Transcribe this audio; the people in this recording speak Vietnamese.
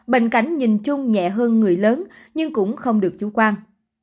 bệnh cảnh nhìn chung nhẹ hơn người lớn nhưng cũng không được chủ quan